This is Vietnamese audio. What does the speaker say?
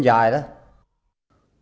điên dài đó